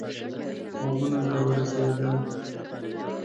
غوږونو ته ورسېدی.